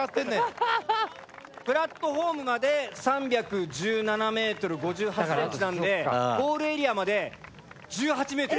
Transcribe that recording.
プラットホームまで３１７．５８ｍなんでゴールエリアまで１８ｍ。